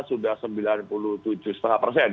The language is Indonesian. sudah sembilan puluh tujuh lima persen